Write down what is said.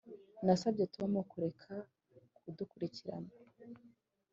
Nasabye Tom kureka kudukurikira